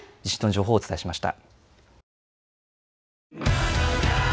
地震の情報をお伝えしました。